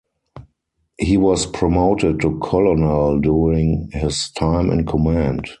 He was promoted to colonel during his time in command.